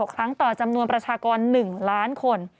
ครั้งต่อจำนวนประชากร๑ล้านคน